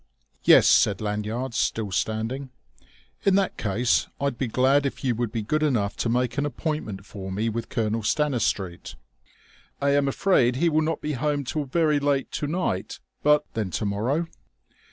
"Yes," said Lanyard, still standing. "In that case I'd be glad if you would be good enough to make an appointment for me with Colonel Stanistreet." "I am afraid he will not be home till very late to night, but " "Then to morrow?"